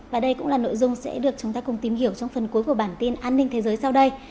và đây cũng là nội dung sẽ được chúng ta cùng tìm hiểu trong phần cuối của bản tin an ninh thế giới sau đây